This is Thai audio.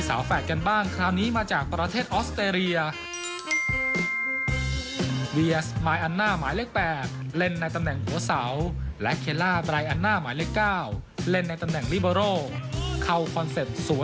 เล่นในตำแหน่งบอลเร็ว